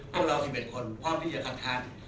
พวกเรา๑๑คนพร้อมที่จะคัดค้าน